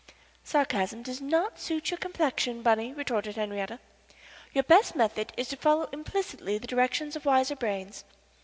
"Sarcasm does not suit your complexion, Bunny," retorted Henriette. "Your best method is to follow implicitly the directions of wiser brains.